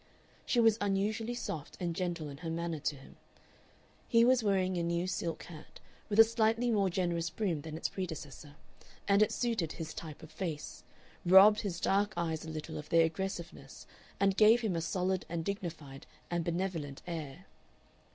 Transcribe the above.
She was unusually soft and gentle in her manner to him. He was wearing a new silk hat, with a slightly more generous brim than its predecessor, and it suited his type of face, robbed his dark eyes a little of their aggressiveness and gave him a solid and dignified and benevolent air.